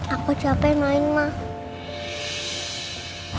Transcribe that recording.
aku capek main mak